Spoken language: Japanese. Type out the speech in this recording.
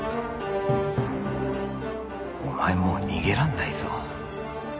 お前もう逃げらんないぞ